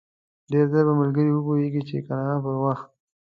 ډېر ژر به ملګري وپوهېږي چې قانع پر وخت.